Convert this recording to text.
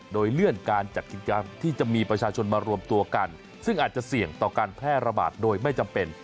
โดยเลื่อนการจัดกิจกรรมที่จะมีประชาชนมารวมตัวกันซึ่งอาจจะเสี่ยงต่อการแพร่ระบาดโดยไม่จำเป็น